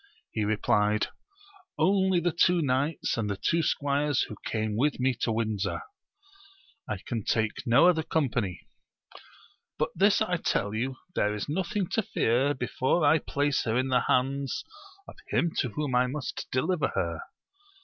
He replied only the two knights and the two squires who came with me to Windsor. I can take no other company ; but this I tell you, there is nothing to fear before I place her in the hands of him to whom I must deliver her.